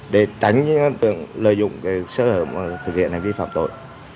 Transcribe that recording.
để tránh lợi dụng sở hữu thực hiện vi phạm tội